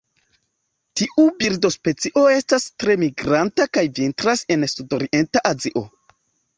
Tiu birdospecio estas tre migranta kaj vintras en sudorienta Azio.